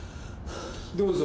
どうぞ。